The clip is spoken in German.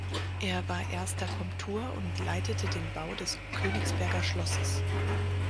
Er war erster Komtur und leitete den Bau des Königsberger Schlosses.